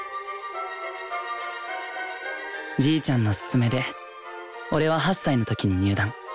じいちゃんの勧めで俺は８歳の時に入団。